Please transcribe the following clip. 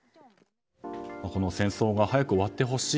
この戦争が早く終わってほしい。